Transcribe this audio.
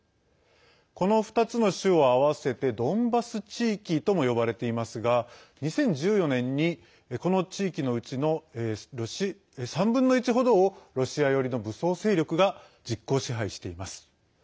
この２つの州を合わせてドンバス地域とも呼ばれていますが２０１４年にこの地域のうちの３分の１ほどをロシア寄りの武装勢力が実効支配しています。